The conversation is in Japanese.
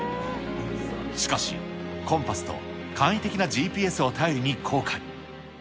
しかし、コンパスと簡易的なＧＰＳを頼りに航海。